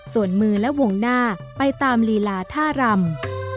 ส่วนมือและวงหน้าไปตามลีลาท่ารำ